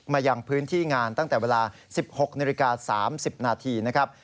ยังพื้นที่งานตั้งแต่เวลา๑๖นาฬิกา๓๐นาทีนะครับ